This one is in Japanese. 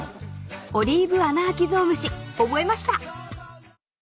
［オリーブアナアキゾウムシ覚えました］